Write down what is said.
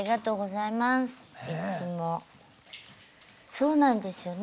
そうなんですよね